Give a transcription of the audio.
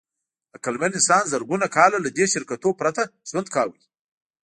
عقلمن انسان زرګونه کاله له دې شرکتونو پرته ژوند کاوه.